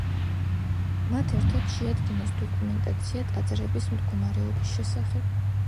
მათ ერთად შეადგინეს დოკუმენტაცია ტაძრების მდგომარეობის შესახებ.